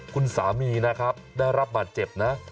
คุณสามีนะครับได้รับบาดเจ็บนะ